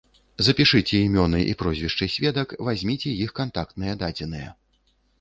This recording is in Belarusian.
Запішыце імёны і прозвішчы сведак, вазьміце іх кантактныя дадзеныя.